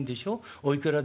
おいくらですか？